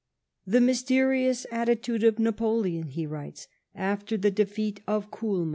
" The mysterious attitude of Napoleon," he writes, " after the defeat at Kulm.